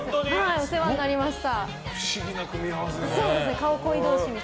お世話になりました。